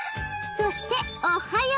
そしておはよう！